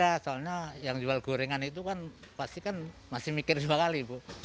ya ya pasti ada soalnya yang jual gorengan itu kan pasti kan masih mikir dua kali